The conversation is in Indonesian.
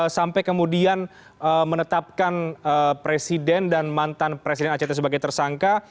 sampai kemudian menetapkan presiden dan mantan presiden act sebagai tersangka